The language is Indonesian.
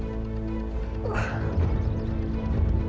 nanti aku akan datang